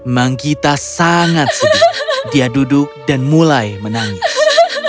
manggita sangat sedih dia duduk dan mulai menangis